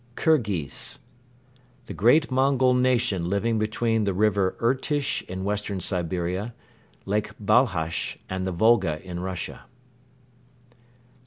Khayrus. A kind of trout. Khirghiz. The great Mongol nation living between the river Irtish in western Siberia, Lake Balhash and the Volga in Russia.